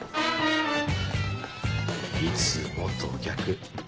いつもと逆。